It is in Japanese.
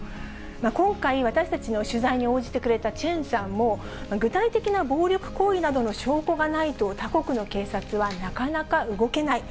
今回、私たちの取材に応じてくれたチェンさんも、具体的な暴力行為などの証拠がないと他国の警察はなかなか動けない。